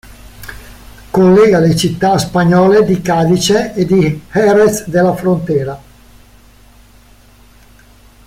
Collega le città spagnole di Cadice e Jerez de la Frontera.